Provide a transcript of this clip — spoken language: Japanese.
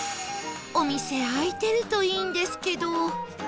お店開いてるといいんですけど